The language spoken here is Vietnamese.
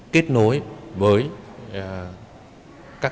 kết nối với các